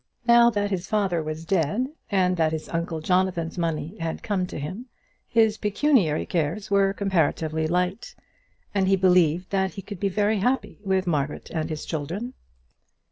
Now that his father was dead and that his uncle Jonathan's money had come to him, his pecuniary cares were comparatively light, and he believed that he could be very happy with Margaret and his children.